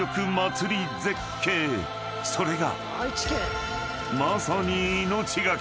［それが］